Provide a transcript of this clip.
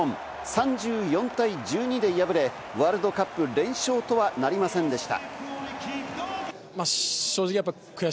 ３４対１２で敗れ、ワールドカップ連勝とはなりませんでした。